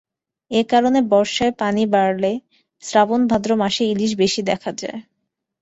এ কারণে বর্ষায় পানি বাড়লে শ্রাবণ ভাদ্র মাসে ইলিশ বেশি দেখা যায়।